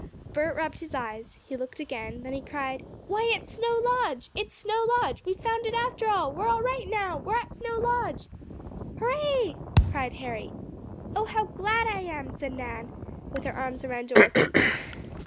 Bert rubbed his eyes. He looked again, and then he cried: "Why, it's Snow Lodge! It's Snow Lodge! We've found it after all! We're all right now! We're at Snow Lodge!" "Hurray!" cried Harry. "Oh, how glad I am!" said Nan, with her arms around Dorothy.